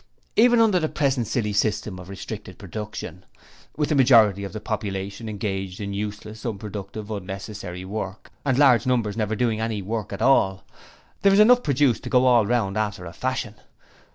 'Even under the present silly system of restricted production, with the majority of the population engaged in useless, unproductive, unnecessary work, and large numbers never doing any work at all, there is enough produced to go all round after a fashion.